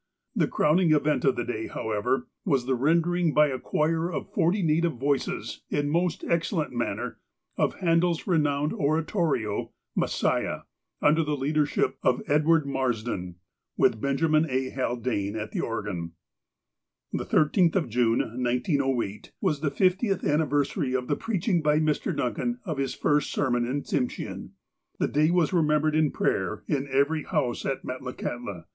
The crowning event of the day, however, was the ren dering by a choir of forty native voices, in a most excel lent manner, of Handel's renowned oratorio ''Messiah," under the leadership of Edward Marsden, with Benja min A. Haldane at the organ. The 13th of June, 1908, was the fiftieth anniversary of the preaching by Mr. Duncan of his first sermon in Tsim shean. The day was remembered in prayer in every house at Metlakahtla.